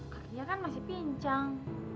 kakinya kan masih pincang